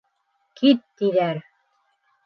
Кит тиҙәр!